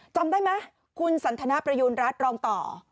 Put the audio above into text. จำได้ไหมคุณสันทนาประยูณรัฐรองต่อ